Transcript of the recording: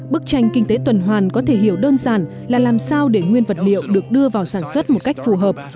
bức tranh kinh tế tuần hoàn có thể hiểu đơn giản là làm sao để nguyên vật liệu được đưa vào sản xuất một cách phù hợp